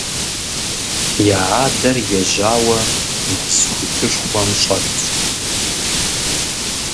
Я адэр ежьауэ мэз хуитышхуэм щӀэтщ.